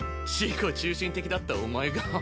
自己中心的だったお前が。